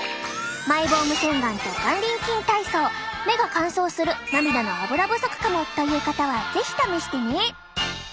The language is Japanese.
マイボーム洗顔と眼輪筋体操目が乾燥する涙のアブラ不足かもという方は是非試してね！